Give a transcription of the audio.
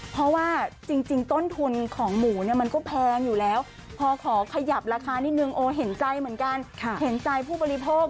เพราะว่าจริงต้นทุนของหมูเนี่ยมันก็แพงอยู่แล้วพอขอขยับราคานิดนึงโอ้เห็นใจเหมือนกันเห็นใจผู้บริโภค